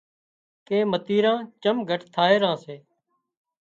ڪي متريران چم گھٽ ٿائي ران سي